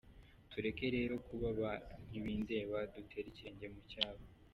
Tureke rero kuba ba ntibindeba, dutere ikirenge mu cyabo.